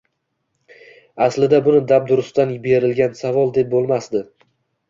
Aslida buni dabdurustdan berilgan savol deb bo`lmasdi